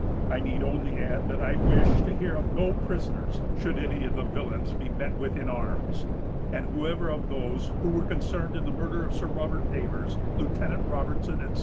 I need only add that I wish to hear of no prisoners, should any of the villains be met with in arms; and whoever of those who were concerned in the murder of Sir Robert Davers, Lieutenant Robertson, etc.